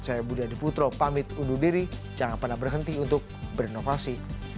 saya budi adiputro pamit undur diri jangan pernah berhenti untuk berinovasi